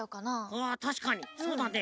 あたしかにそうだね。